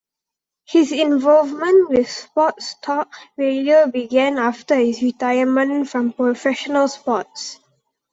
His involvement with sports talk radio began after his retirement from professional sports.